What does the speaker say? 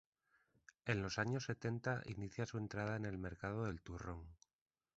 En los años setenta inicia su entrada en el mercado del turrón.